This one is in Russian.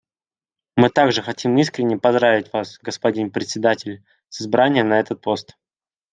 Мы также хотим искренне поздравить Вас, господин Председатель, с избранием на этот пост.